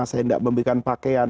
saya tidak memberikan pakaian